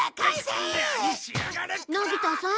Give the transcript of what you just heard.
のび太さん。